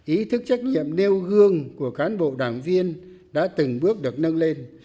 ý thức trách nhiệm nêu gương của cán bộ đảng viên đã từng bước được nâng lên